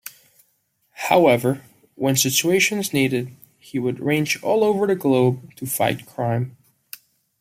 However, when situations needed, he would range all over the globe to fight crime.